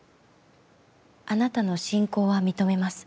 「あなたの信仰は認めます。